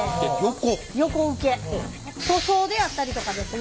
塗装であったりとかですね